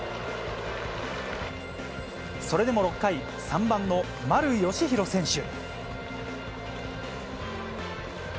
それでも６回、３番の丸佳浩選手。